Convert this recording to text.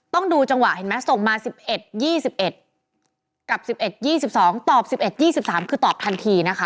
ต้องดูจังหวะเห็นไหมส่งมาสิบเอ็ดยี่สิบเอ็ดกับสิบเอ็ดยี่สิบสองตอบสิบเอ็ดยี่สิบสามคือตอบทันทีนะคะ